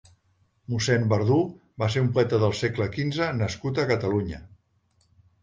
mossèn Verdú va ser un poeta del segle quinze nascut a Catalunya.